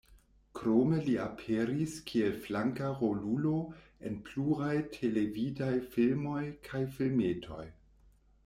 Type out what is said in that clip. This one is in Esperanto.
Krome li aperis kiel flanka rolulo en pluraj televidaj filmoj kaj filmetoj.